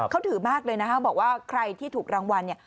เขาถือมากเลยนะครับบอกว่าใครที่ถูกรางวัลเนี่ย